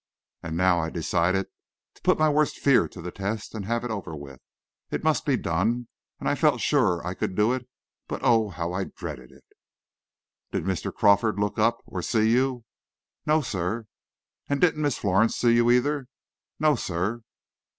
And now I decided to put my worst fear to the test and have it over with. It must be done, and I felt sure I could do it, but oh, how I dreaded it! "Did Mr. Crawford look up or see you?" "No, sir." "And didn't Miss Florence see you, either?" "No, sir."